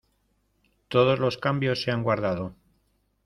Todos los cambios se han guardado